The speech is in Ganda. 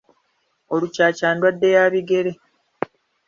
Olukyakya ndwadde ya bigere.